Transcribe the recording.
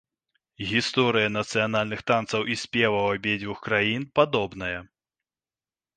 Гісторыя нацыянальных танцаў і спеваў абедзвюх краін падобная.